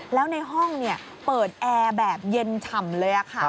แล้วในห้องเปิดแอร์แบบเย็นฉ่ำเลยค่ะ